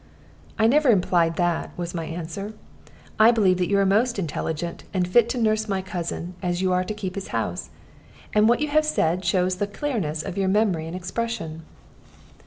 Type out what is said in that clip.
"I never implied that," was my answer. "I believe that you are most intelligent, and fit to nurse my cousin, as you are to keep his house. And what you have said shows the clearness of your memory and expression."